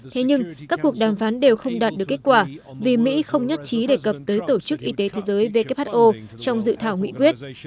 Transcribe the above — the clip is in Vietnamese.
thế nhưng các cuộc đàm phán đều không đạt được kết quả vì mỹ không nhất trí đề cập tới tổ chức y tế thế giới who trong dự thảo nghị quyết